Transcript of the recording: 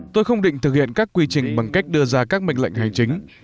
tôi không định thực hiện các quy trình bằng cách đưa ra các mệnh lệnh hành chính